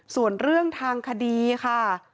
ส่วนเรื่องทางคดีค่ะ